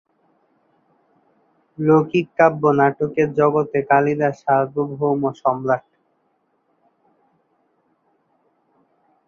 লৌকিক কাব্য নাটকের জগতে কালিদাস সার্বভৌম সম্রাট।